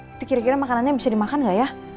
itu kira kira makanannya bisa dimakan nggak ya